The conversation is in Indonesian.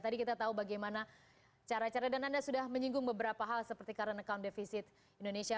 tadi kita tahu bagaimana cara cara dan anda sudah menyinggung beberapa hal seperti current account defisit indonesia